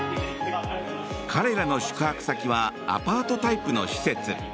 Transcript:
彼らの宿泊先はアパートタイプの施設。